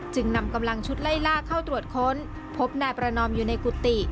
นำกำลังชุดไล่ล่าเข้าตรวจค้นพบนายประนอมอยู่ในกุฏิ